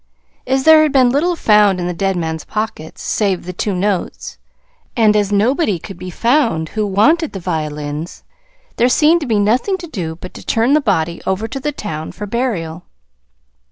As there had been little found in the dead man's pockets, save the two notes, and as nobody could be found who wanted the violins, there seemed to be nothing to do but to turn the body over to the town for burial.